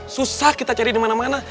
susah kita cari di mana mana